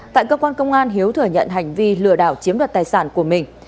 tại cơ quan công an hiếu thừa nhận hành vi lừa đảo chiếm đoạt tài sản của mình